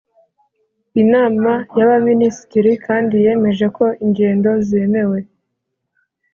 inama y’abaminisitiri kandi yemeje ko ingendo zemewe